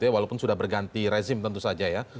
walaupun sudah berganti rezim tentu saja ya